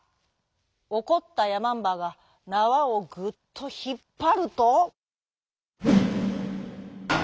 おこったやまんばがなわをグっとひっぱると。